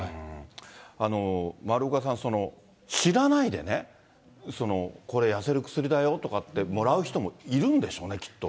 丸岡さん、その、知らないでね、これ痩せる薬だよとかって、もらう人もいるんでしょうね、きっと。